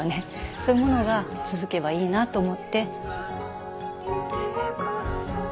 そういうものが続けばいいなと思って。